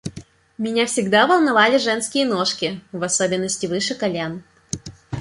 Меня всегда волновали женские ножки, в особенности выше колен.